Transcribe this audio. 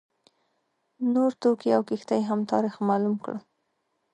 نور توکي او کښتۍ هم تاریخ معلوم کړو.